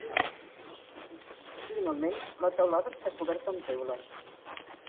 Finalment, la teulada està coberta amb teules.